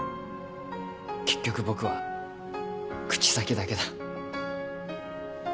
結局僕は口先だけだ。